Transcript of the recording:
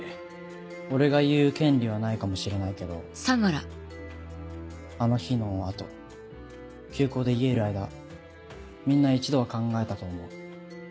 俺が言う権利はないかもしれないけどあの日の後休校で家いる間みんな一度は考えたと思う。